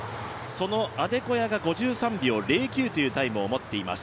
そのアデコヤが５３秒０９というタイムを持っています。